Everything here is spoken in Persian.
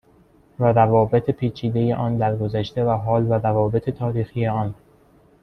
و روابط پیچیده آن در گذشته و حال و روابط تاریخی آن